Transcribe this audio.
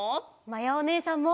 まやおねえさんも！